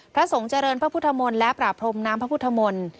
พระสงฆ์เจริญพระพุทธมนต์และประพรมน้ำพระพุทธมนตร์